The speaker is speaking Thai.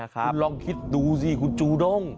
คุณลองคิดดูสิคุณจูด้ง